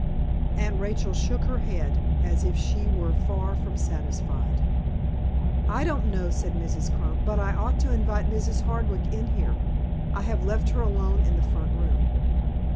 Aunt Rachel shook her head, as if she were far from satisfied. "I don't know," said Mrs. Crump, "but I ought to invite Mrs. Hardwick in here. I have left her alone in the front room."